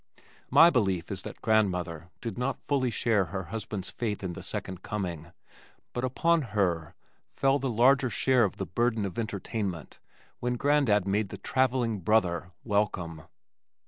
My belief is that Grandmother did not fully share her husband's faith in The Second Coming but upon her fell the larger share of the burden of entertainment when Grandad made "the travelling brother" welcome.